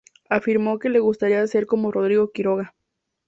Afirmó que le gustaría ser como Rodrigo Quiroga.